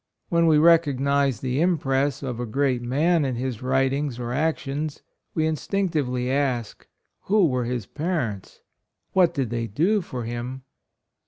When we recognize the impress of a great man in his writings or actions, we instinctively ask — who were his parents? What did they do for him?